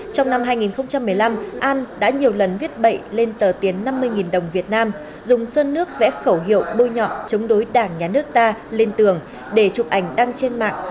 trong năm hai nghìn một mươi năm an đã nhiều lần viết bậy lên tờ tiền năm mươi đồng việt nam dùng sơn nước vẽ khẩu hiệu bôi nhọ chống đối đảng nhà nước ta lên tường để chụp ảnh đăng trên mạng